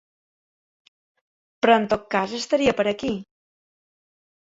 Però en tot cas estaria per aquí.